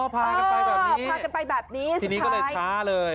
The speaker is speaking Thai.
พากันไปแบบนี้ทีนี้ก็เลยช้าเลย